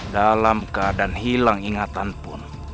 dalam keadaan hilang ingatan pun